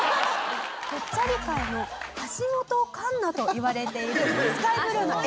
ぽっちゃり界の橋本環奈といわれているスカイブルーのえ